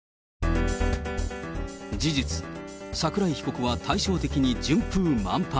事実、桜井被告は対照的に順風満帆。